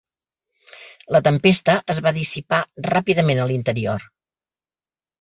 La tempesta es va dissipar ràpidament a l'interior.